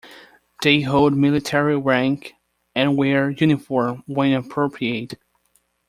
They hold military rank and wear uniform when appropriate.